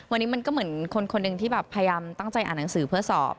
วันนี้มันก็เหมือนคนหนึ่งที่แบบพยายามตั้งใจอ่านหนังสือเพื่อสอบ